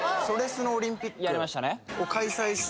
それスノオリンピックをやりましたね